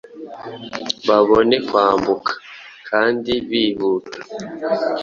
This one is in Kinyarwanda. babone kwambuka. Kandi bihuta